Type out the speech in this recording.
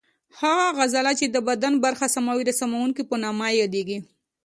هغه عضله چې د بدن برخه سموي د سموونکې په نامه یادېږي.